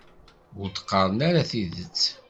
Ur d-qqarem ara tidet.